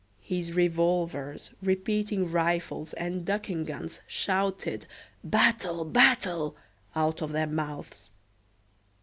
His revolvers, repeating rifles, and ducking guns shouted "Battle! battle!" out of their mouths.